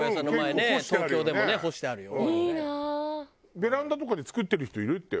ベランダとかで作ってる人いるってよ。